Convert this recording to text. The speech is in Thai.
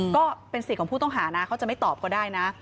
ก็เป็นสิทธิ์ของผู้ต้องหานะเขาจะไม่ตอบก็ได้นะ